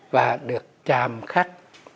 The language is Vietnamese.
và được chàm khắc